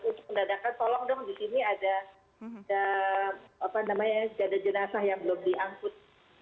untuk mendadakkan tolong dong disini ada jenazah yang belum diangkut